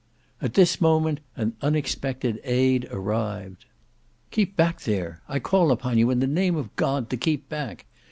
At this moment an unexpected aid arrived. "Keep back there! I call upon you in the name of God to keep back!"